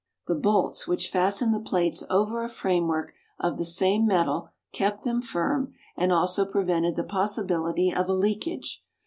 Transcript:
The bolts, which fastened the plates over a framework of the same metal, kept them firm, and also prevented the possibility of a leakage.